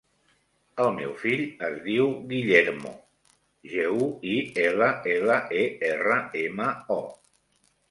El meu fill es diu Guillermo: ge, u, i, ela, ela, e, erra, ema, o.